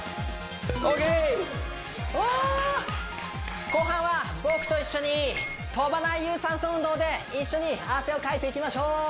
オーケーうわ後半は僕と一緒に跳ばない有酸素運動で一緒に汗をかいていきましょう